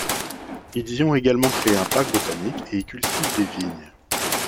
Ils y ont également créé un parc botanique et y cultivent des vignes.